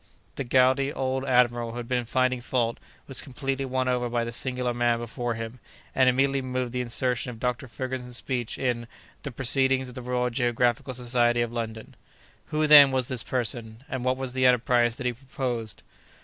The gouty old admiral who had been finding fault, was completely won over by the singular man before him, and immediately moved the insertion of Dr. Ferguson's speech in "The Proceedings of the Royal Geographical Society of London." Who, then, was this person, and what was the enterprise that he proposed?